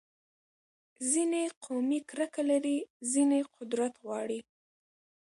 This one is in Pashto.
ځینې قومي کرکه لري، ځینې قدرت غواړي.